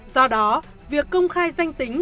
do đó việc công khai danh tính